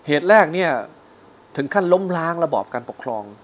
เหตุแรกเนี่ยถึงขั้นล้มล้างระบอบการปกครอง